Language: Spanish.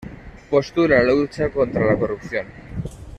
Postula la lucha contra la corrupción.